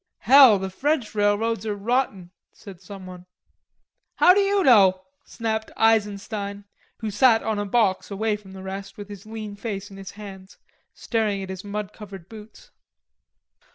"Hell, the French railroads are rotten," said someone. "How d'you know?" snapped Eisenstein, who sat on a box away from the rest with his lean face in his hands staring at his mud covered boots.